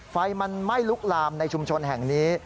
ไฟมันไหม้ลุกลามในชุมชนแห่งนี้